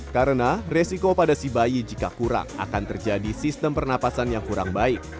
karena resiko pada si bayi jika kurang akan terjadi sistem pernapasan yang kurang baik